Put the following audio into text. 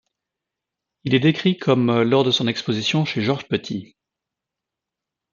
Il est décrit comme lors de son exposition chez Georges Petit.